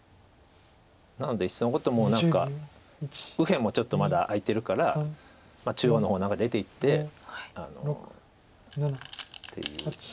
なのでいっそのこと何か右辺もちょっとまだ空いてるから中央の方出ていってっていう。